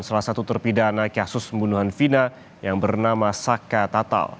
salah satu terpidana kasus pembunuhan vina yang bernama saka tatal